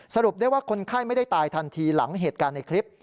สรุปได้ว่าคนไข้ไม่ได้ตายทันทีหลังเหตุการณ์ในคลิป